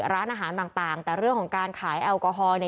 ร้านอาหารต่างแต่เรื่องของการขายแอลกอฮอล์เนี่ย